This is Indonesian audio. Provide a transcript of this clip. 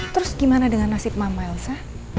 terus gimana dengan nasib mama elsa